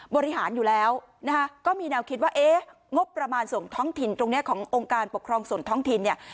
บริหารอยู่แล้วนะคะก็มีแนวคิดว่าเอ๊ะงบประมาณส่งท้องถิ่นตรงเนี้ยขององค์การปกครองส่วนท้องถิ่นเนี่ย